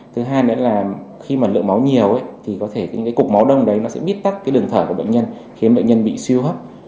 thứ hai nữa là khi mà lượng máu nhiều thì có thể những cục máu đông đấy nó sẽ bít tắt đường thở của bệnh nhân khiến bệnh nhân bị siêu hấp